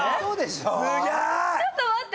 ⁉ちょっと待って。